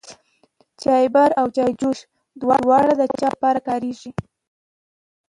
چايبر او چايجوشه دواړه د چايو د پاره کاريږي.